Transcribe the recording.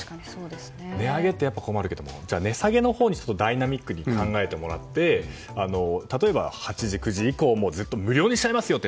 値上げって困るけども値下げのほうにダイナミックに考えてもらって例えば８時、９時以降もずっと無料にしちゃいますよって。